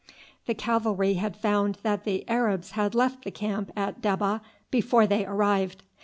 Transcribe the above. The cavalry had found that the Arabs had left the camp at Debbah before they arrived.